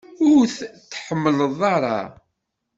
Ur t-tḥemmleḍ ara?